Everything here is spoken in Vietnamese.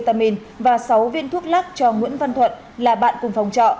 đạt đưa một vói vitamin và sáu viên thuốc lắc cho nguyễn văn thuận là bạn cùng phòng trọ